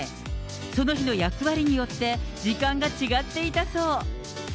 その日の役割によって、時間が違っていたそう。